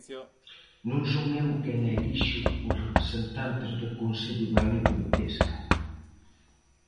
Non son eu quen elixo os representantes do Consello Galego de Pesca.